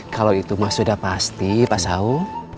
kalau itu mah sudah pasti pak saul